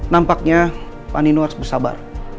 nampaknya pak nino harus bersabar